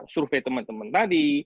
survei teman teman tadi